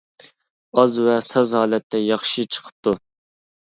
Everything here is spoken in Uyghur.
ئاز ۋە ساز ھالەتتە ياخشى چىقىپتۇ.